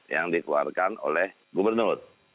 yang dikeluarkan oleh gubernur